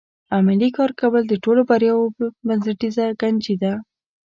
عملي کار کول د ټولو بریاوو بنسټیزه کنجي ده.